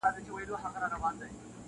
د ګل غونډۍ پر سره لمن له ارغوانه سره -